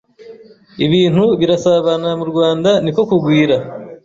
ibintu birasabana mu Rwanda ni ko kugwira.